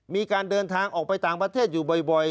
มีการเดินทางออกไปต่างประเทศอยู่บ่อย